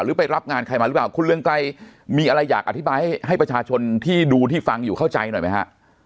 ไปรับงานใครมาหรือเปล่าคุณเรืองไกรมีอะไรอยากอธิบายให้ประชาชนที่ดูที่ฟังอยู่เข้าใจหน่อยไหมฮะ